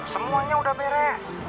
semuanya udah beres